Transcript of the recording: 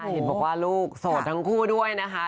เห็นบอกว่าลูกโสดทั้งคู่ด้วยนะคะ